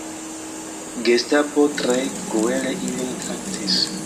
Gestapo tre kruele ilin traktis.